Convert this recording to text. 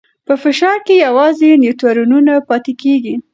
په فشار کې یوازې نیوترونونه پاتې کېږي.